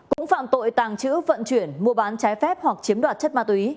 cũng phạm tội tàng trữ vận chuyển mua bán trái phép hoặc chiếm đoạt chất ma túy